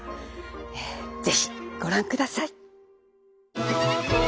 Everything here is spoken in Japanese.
ぜひご覧ください。